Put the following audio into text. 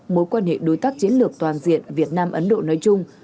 mối quan hệ đối tác chiến lược toàn diện việt nam ấn độ nói chung